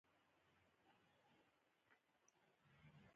د قرغیزانو سیمې په پامیر کې دي